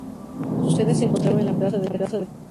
Su sede se encontraba en la plaza del Castillo.